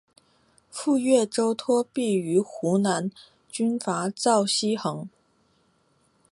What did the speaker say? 赴岳州托庇于湖南军阀赵恒惕。